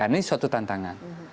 ini suatu tantangan